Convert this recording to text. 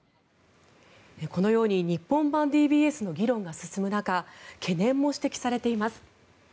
このように日本版ＤＢＳの議論が進む中懸念も指摘されています。